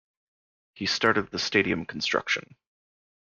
He started the stadium construction.